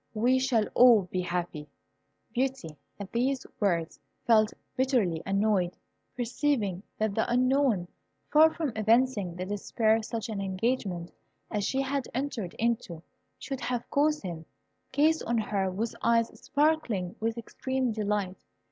We shall all be happy." Beauty, at these words, felt bitterly annoyed, perceiving that the Unknown, far from evincing the despair such an engagement as she had entered into should have caused him, gazed on her with eyes sparkling with extreme delight.